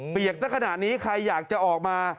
สักขนาดนี้ใครอยากจะออกมา